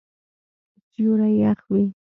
سیوری یخ وی